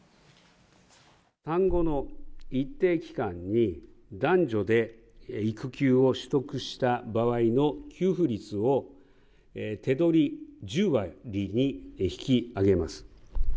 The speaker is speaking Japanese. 産後の一定期間に、男女で育休を取得した場合の給付率を手取り１０割に引き上げます。